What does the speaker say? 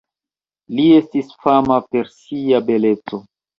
Li estis fama per sia beleco.